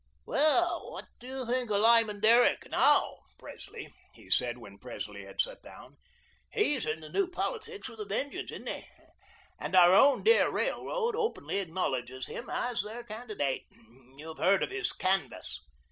"What do you think of Lyman Derrick now, Presley?" he said, when Presley had sat down. "He's in the new politics with a vengeance, isn't he? And our own dear Railroad openly acknowledges him as their candidate. You've heard of his canvass."